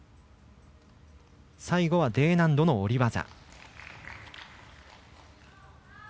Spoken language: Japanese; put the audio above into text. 最後はＤ難度の下り技。